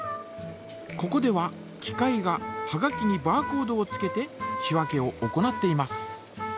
ここでは機械がはがきにバーコードをつけて仕分けを行っています。